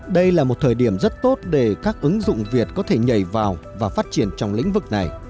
đây là một thời điểm rất tốt để các ứng dụng việt có thể nhảy vào và phát triển trong lĩnh vực này